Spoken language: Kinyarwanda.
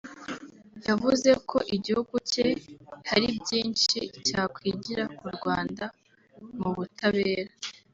yavuze ko igihugu cye hari byinshi cyakwigira ku Rwanda mu butabera